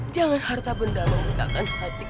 jangan harta benda merentakan hati kamu